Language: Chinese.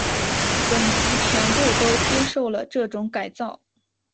本级全部都接受了这种改造。